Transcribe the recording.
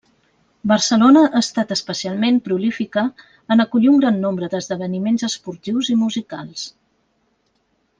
Barcelona ha estat especialment prolífica en acollir un gran nombre d'esdeveniments esportius i musicals.